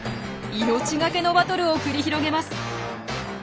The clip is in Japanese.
命がけのバトルを繰り広げます。